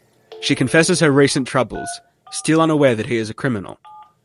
She confesses her recent troubles, still unaware that he is a criminal.